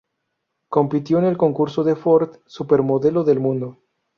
Compitió en el concurso de Ford, "Supermodelo del Mundo".